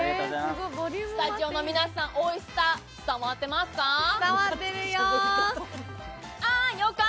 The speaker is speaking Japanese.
スタジオの皆さん、おいしさ伝わってますか？